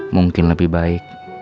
mungkin lebih baik